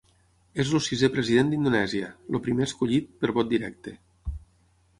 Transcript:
És el sisè president d'Indonèsia, el primer escollit per vot directe.